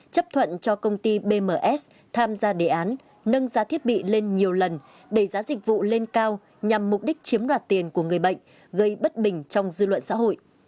chấp thuận cho công ty bms tham gia đề án nâng giá thiết bị lên nhiều lần đẩy giá dịch vụ lên cao nhằm mục đích chiếm đoạt tiền của người bệnh gây bất bình trong dư luận xã hội